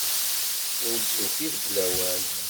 Ur d-tuki deg lawan.